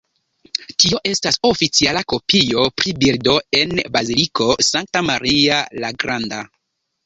Tio estas oficiala kopio pri bildo en Baziliko Sankta Maria la Granda.